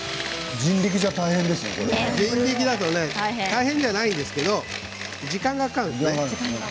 人力だと大変じゃないけれど時間がかかるんです。